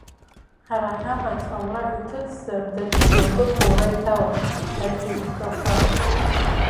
Ҳара ҳамаҵ аура иҭыҵзар, даҽа џьоукы рхәура иҭалап, ашәиккақәа.